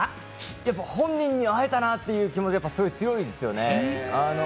やっぱ本人に会えたなって気持ちがすごく強いですよね。